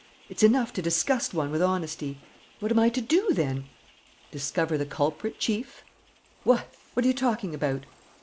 It's enough to disgust one with honesty. What am I to do, then?" "Discover the culprit, Chief." "What! ... What are you talking about?"